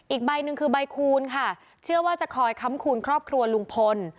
อีกใบหนึ่งคือใบคูณค่ะเชื่อว่าจะคอยค้ำคูณครอบครัวลุงพล